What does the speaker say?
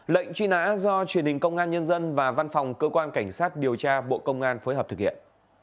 lệnh truy nã do truyền hình công an nhân dân và văn phòng cơ quan cảnh sát điều tra bộ công an phối hợp thực hiện